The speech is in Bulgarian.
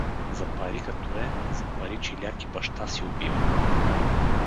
За пари като е… за пари чиляк и баща си убива.